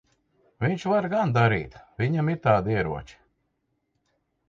Viņš var gan darīt. Viņam ir tādi ieroči.